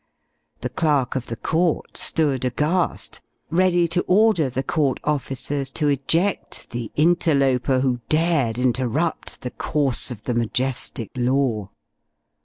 The clerk of the court stood aghast ready to order the court officers to eject the interloper who dared interrupt the course of the majestic law.